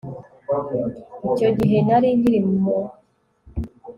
icyo gihe, nari nkiri maso